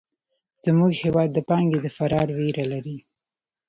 زموږ هېواد د پانګې د فرار وېره لري.